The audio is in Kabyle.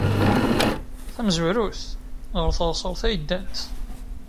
Tamezwarut, ɣer teɣsert ay ddant.